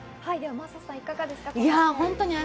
真麻さん、いかがですか？